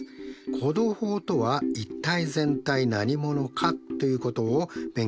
弧度法とは一体全体何者かということを勉強しました。